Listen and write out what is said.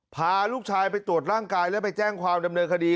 พาลูกชายไปตรวจร่างกายแล้วไปแจ้งความดำเนินคดี